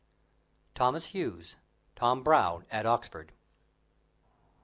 Thomas Hughes: "Tom Brown at Oxford."